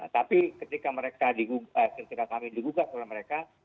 tapi ketika kami digugas oleh mereka